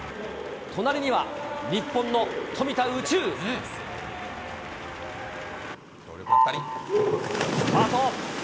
隣には日本の富田宇宙。スタート。